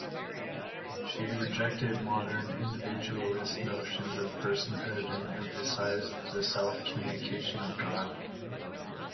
She rejected modern individualist notions of personhood and emphasised the self-communication of God.